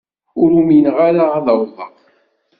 Ur umineɣ ara ad awḍeɣ.